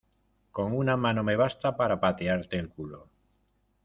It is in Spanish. con una mano me basta para patearte el culo.